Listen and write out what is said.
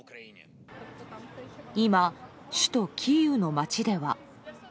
今、首都キーウの街では。